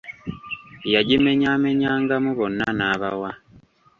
Yagimenyaamenyangamu bonna n'abawa.